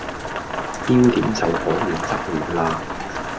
標點就可免則免喇